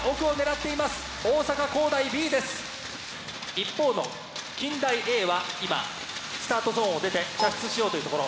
一方の近大Ａは今スタートゾーンを出て射出しようというところ。